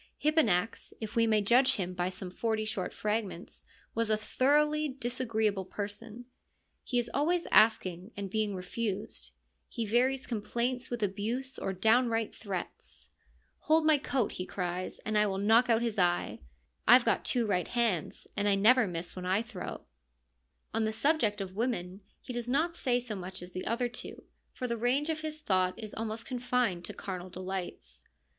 Hipponax, if we may judge him by some forty short fragments, was a thoroughly disagreeable person ; he is always asking and being refused ; he varies complaints with abuse or downright threats. 1 Hold my coat,' he cries, ' and I will knock out his eye. I've got two right hands, and I never miss when I THE LYRIC POETS 39 throw.' On the subject of women he does not say so much as the other two, for the range of his thought is almost confined to carnal delights.